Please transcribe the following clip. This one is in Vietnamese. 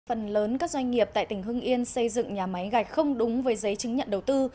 phần lớn các doanh nghiệp tại tỉnh hưng yên xây dựng nhà máy gạch không đúng với giấy chứng nhận đầu tư